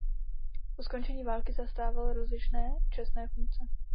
Po skončení války zastával rozličné čestné funkce.